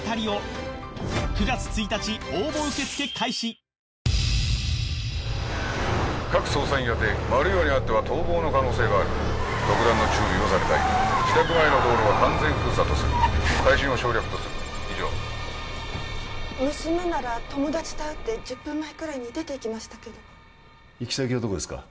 三井アウトレットパーク三井不動産グループ各捜査員宛てマルヨウにあっては逃亡の可能性がある特段の注意をされたい自宅前の道路は完全封鎖とする解信は省略とする以上娘なら友達と会うって１０分前くらいに出ていきましたけど行き先はどこですか？